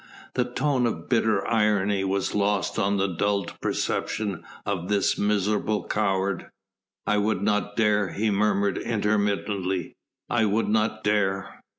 The tone of bitter irony was lost on the dulled perceptions of this miserable coward. "I would not dare," he murmured intermittently, "I would not dare."